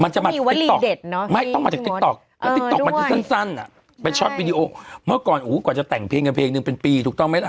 มันจะมีวัลีเด็ดเนอะไม่ต้องมาจากเออด้วยมันจะสั้นสั้นอ่ะไปชอบวิดีโอเมื่อก่อนอู๋กว่าจะแต่งเพลงกันเพลงหนึ่งเป็นปีถูกต้องไหมล่ะ